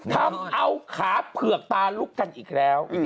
ทำเอาขาเผือกตาลุกกันอีกแล้ว